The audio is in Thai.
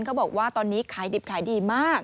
เขาบอกว่าตอนนี้ขายดิบขายดีมาก